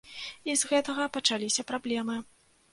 І з гэтага пачаліся праблемы.